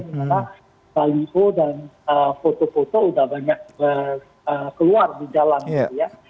karena baliho dan foto foto udah banyak keluar di jalan gitu ya